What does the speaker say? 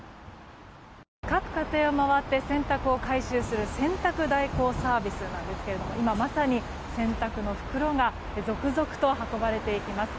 各家庭を回って洗濯を回収する洗濯代行サービスなんですけども今、まさに洗濯の袋が続々と運ばれていきます。